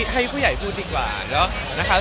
ให้ผู้ใหญ่พูดดีกว่านะครับ